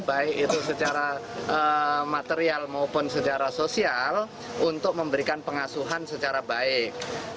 baik itu secara material maupun secara sosial untuk memberikan pengasuhan secara baik